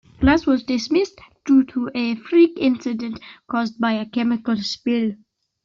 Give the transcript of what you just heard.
Class was dismissed due to a freak incident caused by a chemical spill.